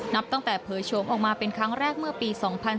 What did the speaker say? นับตั้งแต่เผยโฉมออกมาเป็นครั้งแรกเมื่อปี๒๕๕๙